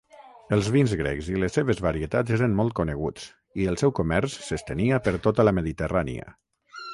Els vins grecs i les seves varietats eren molt coneguts i el seu comerç s'estenia per tota la Mediterrània.